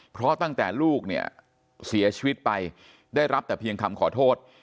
เพราะตั้งแต่ลูกเนี่ยเสียชีวิตไปได้รับแต่เพียงคำขอโทษ